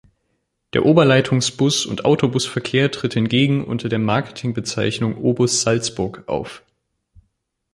Der Oberleitungsbus- und Autobusverkehr tritt hingegen unter der Marketingbezeichnung "Obus Salzburg" auf.